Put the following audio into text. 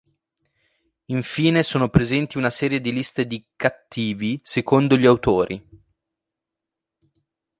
Infine, sono presenti una serie di liste di "cattivi" secondo gli autori.